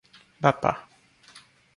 "ବାପା!